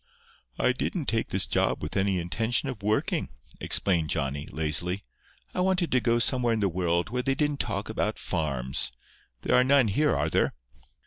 "I didn't take this job with any intention of working," explained Johnny, lazily. "I wanted to go somewhere in the world where they didn't talk about farms. There are none here, are there?"